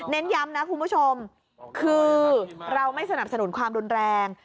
ย้ำนะคุณผู้ชมคือเราไม่สนับสนุนความรุนแรง